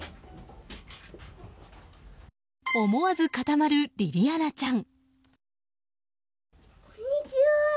思わず固まる、りりあなちゃん。